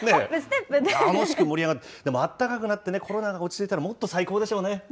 楽しく盛り上がって、でも、あったかくなって、コロナも落ち着いたら、もっと最高でしょうね。